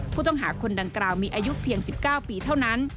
ผู้ต้องหาคนดังกล่าวมีอายุเพียง๑๙ปีเท่านั้น